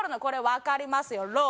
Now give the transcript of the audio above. これ分かりますよ